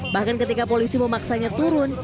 bahkan ketika polisi memaksanya turun